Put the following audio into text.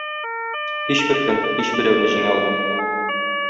Һичберкем һичберәүне җиңә алмый.